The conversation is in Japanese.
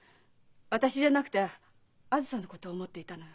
私じゃなくてあづさのことを思っていたのよ。